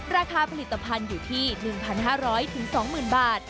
ราคาผลิตภัณฑ์อยู่ที่๑๕๐๐๒๐๐๐บาท